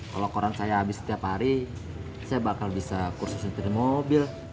kalau koran saya habis setiap hari saya bakal bisa kursus sendiri mobil